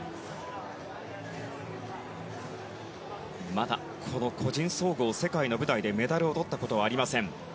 まだ個人総合、世界の舞台でメダルをとったことはありません。